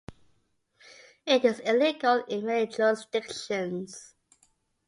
It is illegal in many jurisdictions.